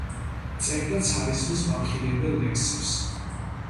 წერდა ცარიზმის მამხილებელ ლექსებს.